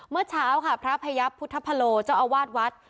เมื่อเช้าค่ะพระพยับพุทธพโลเจ้าอาวาสวัด